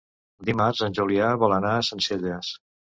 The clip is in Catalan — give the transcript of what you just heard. Dimarts en Julià vol anar a Sencelles.